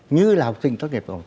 như là học sinh tốt nghiệp